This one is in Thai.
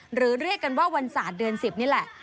หรือเรียกกันว่าวันศาสตร์เดือน๑๐นี่แหละ